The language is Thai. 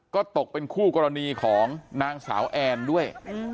ก็ตกเป็นคู่กรณีของนางสาวแอนด้วย